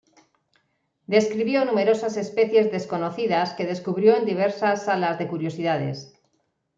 Describió numerosas especies desconocidas que descubrió en diversas "salas de curiosidades".